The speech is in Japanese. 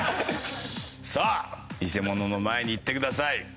さあニセモノの前に行ってください。